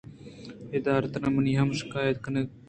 آرتھر منی ہم شکایت ءَ کنت